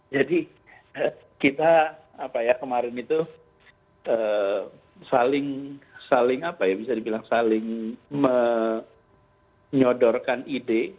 jadi kita kemarin itu saling menyodorkan ide